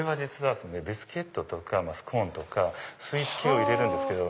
ビスケットとかスコーンとかスイーツ系を入れるんですけど。